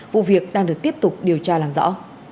vụ việc đang được tiếp tục điều tra làm rõ